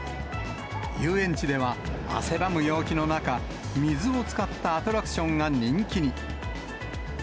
遊園地では、汗ばむ陽気の中、水を使ったアトラクションが人気に。